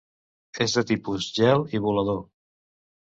És de tipus gel i volador.